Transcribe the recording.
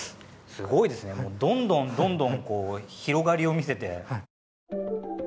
すごいですねどんどんどんどん広がりを見せて。